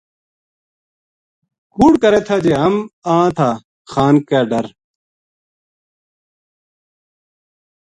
کُوڑ کرے تھا جے ہم آں تھا خان کے ڈر